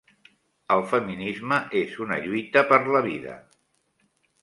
El feminisme és una lluita per la vida.